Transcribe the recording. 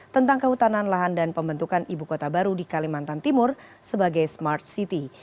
tentang kehutanan lahan dan pembentukan ibu kota baru di kalimantan timur sebagai smart city